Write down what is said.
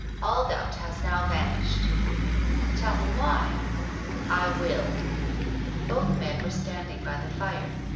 All doubt has now vanished." " Tell me why. " "I will." Both men were standing by the fire.